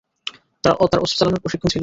তার অস্ত্র চালানোর প্রশিক্ষণ ছিল না।